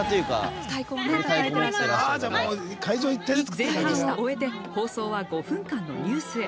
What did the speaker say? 前半を終えて放送は５分間のニュースへ。